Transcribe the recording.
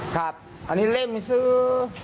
ครับอันนี้เร่งซื้อ